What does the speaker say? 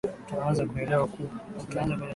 utaanza kuelewa ukubwa wa nchi ya Tanzania